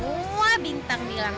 aku melihat di atas diriku